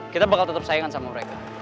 kita bakal tetep sayang sama mereka